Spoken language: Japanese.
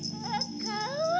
かわいい！